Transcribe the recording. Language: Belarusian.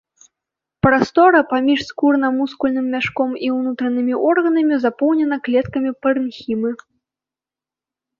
Прастора паміж скурна-мускульным мяшком і ўнутранымі органамі запоўнена клеткамі парэнхімы.